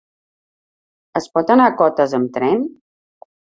Es pot anar a Cotes amb tren?